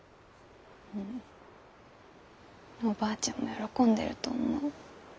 おばあちゃんも喜んでると思う。